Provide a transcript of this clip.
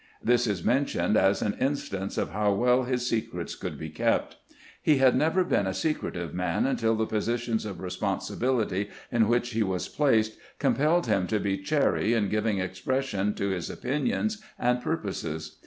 TMs is mentioned as an instance of how well his secrets could be kept. He had never been a secretive man .until the positions of responsibility in which he was placed compelled him to be chary in giving expression to his opinions and purposes.